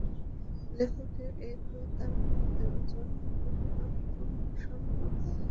লেখককে তার গ্রন্থের ওজন পরিমাণ স্বর্ণ দিয়ে পুরস্কৃত করার সেই যুগটি গত হয়ে যায়।